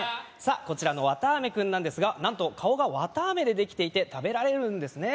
こちらのわたあめ君なんですが何と顔がわたあめでできていて食べられるんですね